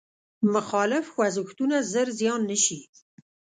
مخالف خوځښتونه ژر زیان نه شي.